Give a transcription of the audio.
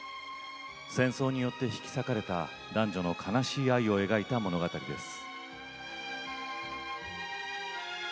戦争によって引き裂かれた男女の悲しい愛を描いた物語です。